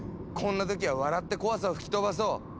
こんな時は笑って怖さを吹き飛ばそう！